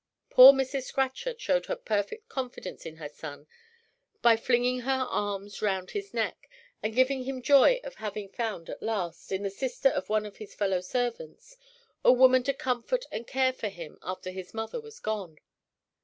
Poor Mrs. Scatchard showed her perfect confidence in her son by flinging her arms round his neck, and giving him joy of having found at last, in the sister of one of his fellow servants, a woman to comfort and care for him after his mother was gone.